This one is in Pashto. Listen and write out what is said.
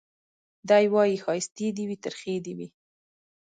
دی وايي ښايستې دي وي ترخې دي وي